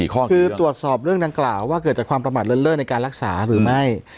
คือตรวจสอบเรื่องดังกล่าวว่าเกิดจากความประมาทเลิศในการรักษาหรือไม่